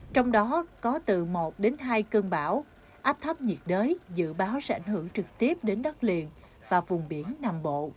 trong đó có từ một đến hai cơn bão áp thấp nhiệt đới dự báo sẽ ảnh hưởng trực tiếp đến đất liền và vùng biển nằm bộ